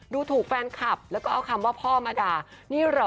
ดูถูกแฟนคลับแล้วก็เอาคำว่าพ่อมาด่านี่เหรอ